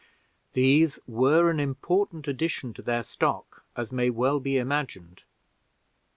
These were an important addition to their stock, as may well be imagined.